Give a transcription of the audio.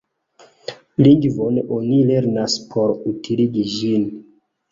Lingvon oni lernas por utiligi ĝin.